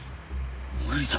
無理だ。